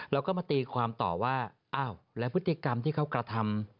แล้วก็มาตีความต่อว่าอ้าวแล้วพฤติกรรมที่เขากระทำ